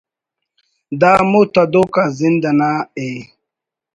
دا ہمو تدوک آ زند انا ءِ